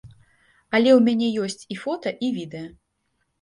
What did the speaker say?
Але ў мяне ёсць і фота, і відэа.